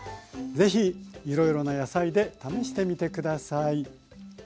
是非いろいろな野菜で試してみて下さい。